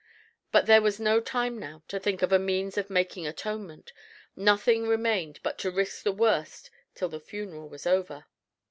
But there was no time now to think of a means of making atonement. Nothing remained but to risk the worst till the funeral was over.